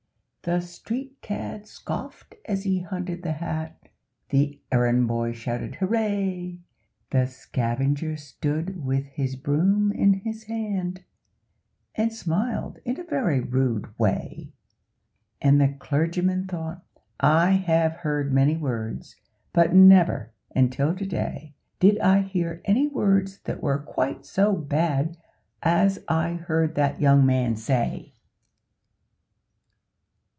The street cad scoffed as he hunted the hat, The errand boy shouted hooray! The scavenger stood with his broom in his hand, And smiled in a very rude way; And the clergyman thought, 'I have heard many words, But never, until to day, Did I hear any words that were quite so bad As I heard that young man say.'